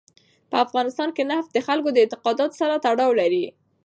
په افغانستان کې نفت د خلکو د اعتقاداتو سره تړاو لري.